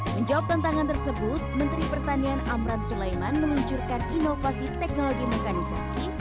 menjawab tantangan tersebut menteri pertanian amran sulaiman meluncurkan inovasi teknologi mekanisasi